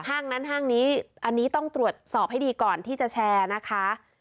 ห้างนั้นห้างนี้อันนี้ต้องตรวจสอบให้ดีก่อนที่จะแชร์นะคะ